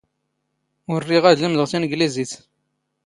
ⵓⵔ ⵔⵉⵖ ⴰⴷ ⵍⵎⴷⵖ ⵜⵉⵏⴳⵍⵉⵣⵉⵜ.